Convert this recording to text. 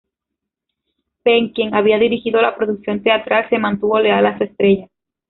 Penn, quien había dirigido la producción teatral, se mantuvo leal a su estrella.